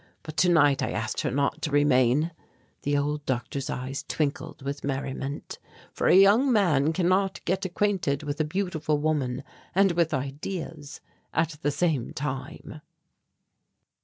But tonight I asked her not to remain" the old doctor's eyes twinkled with merriment, "for a young man cannot get acquainted with a beautiful woman and with ideas at the same time."